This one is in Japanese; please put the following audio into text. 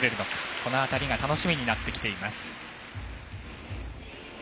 この辺りが楽しみになってきています。